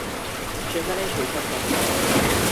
সেখানেই শৈশব কাটে তার।